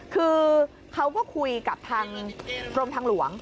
คือเขาก็คุยกับทางกรมทางหลวง